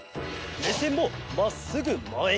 めせんもまっすぐまえに。